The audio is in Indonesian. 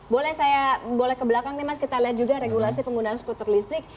boleh saya boleh ke belakang nih mas kita lihat juga regulasi penggunaan skuter listrik